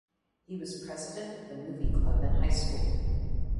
He was president of the movie club in high school.